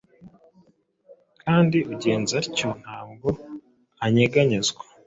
kandi ugenza atyo ntabwo azanyeganyezwa.